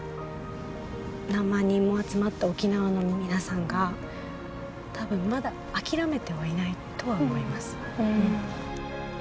何万人も集まった沖縄の皆さんが多分まだ諦めてはいないとは思います。